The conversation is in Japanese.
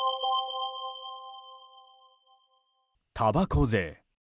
たばこ税。